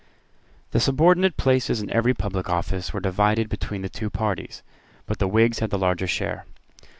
The subordinate places in every public office were divided between the two parties: but the Whigs had the larger share.